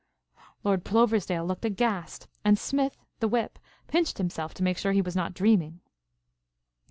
Lord Ploversdale looked aghast, and Smith, the whip, pinched himself to make sure that he was not dreaming.